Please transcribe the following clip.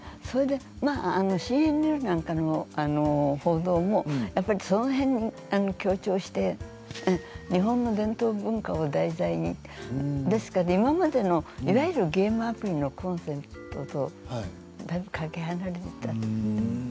ＣＮＮなんかの報道もその辺を強調して日本の伝統文化を題材に今までのいわゆるゲームアプリのコンセプトとかけ離れていたということですね。